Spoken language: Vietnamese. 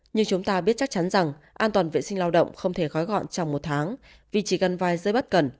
nhưng chúng ta biết chắc chắn rằng an toàn vệ sinh lao động không thể gói gọn trong một tháng vì chỉ gần vai dưới bất cần